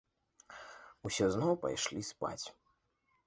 Усе зноў пайшлі спаць.